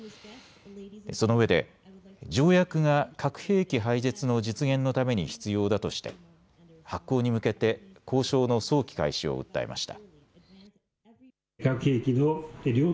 そのうえで条約が核兵器廃絶の実現のために必要だとして発効に向けて交渉の早期開始を訴えました。